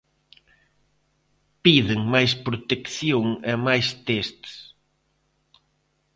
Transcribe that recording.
Piden máis protección e máis tests.